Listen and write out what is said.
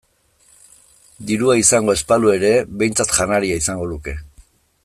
Dirua izango ez balu ere behintzat janaria izango luke.